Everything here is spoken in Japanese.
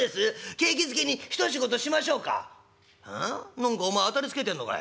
何かお前当たりつけてんのかい？」。